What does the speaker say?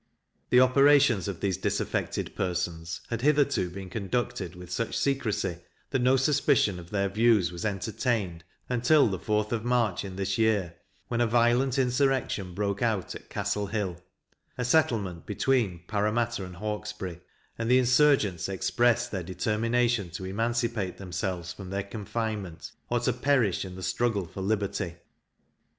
The operations of these disaffected persons had hitherto been conducted with such secrecy, that no suspicion of their views was entertained, until the 4th of March in this year, when a violent insurrection broke out at Castle Hill, a settlement between Parramatta and Hawkesbury, and the insurgents expressed their determination to emancipate themselves from their confinement, or to perish in the struggle for liberty.